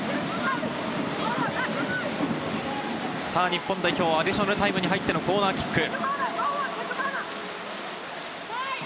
日本代表、アディショナルタイムに入ってのコーナーキック。